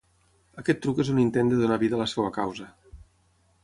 Aquest truc és un intent de donar vida a la seva causa.